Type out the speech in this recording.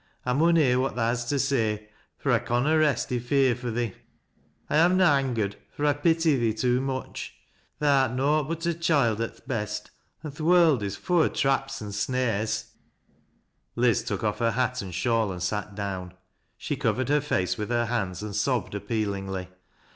" I mun hear what tha has to say, fur I conna rest i' fear for thee. I am ns angei ed, far I pity thee too much. Tha art naught but a fihoild at th' best, an' th' world is fu' o' traps an' snar'ja/ 176 TBAl LABS 0' LOWRISPS Liz took off her hat and shawl and sat down. She co^ ered her face with her hands, and sobbed appealingly.